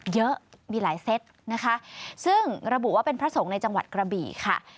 เยอะมีหลายเซตนะคะซึ่งระบุว่าเป็นพระสงฆ์ในจังหวัดกระบี่ค่ะ